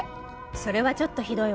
それはちょっとひどいわね。